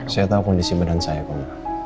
saya tahu kondisi badan saya kok